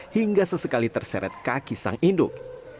hingga sesekali terseret kaki sang induk